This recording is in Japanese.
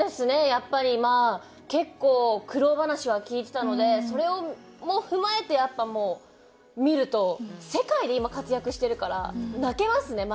やっぱりまあ結構苦労話は聞いてたのでそれも踏まえてやっぱもう見ると世界で今活躍してるから泣けますねマジで。